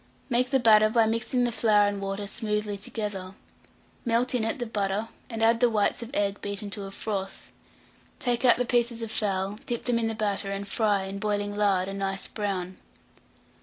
Make the batter by mixing the flour and water smoothly together; melt in it the butter, and add the whites of egg beaten to a froth; take out the pieces of fowl, dip them in the batter, and fry, in boiling lard, a nice brown.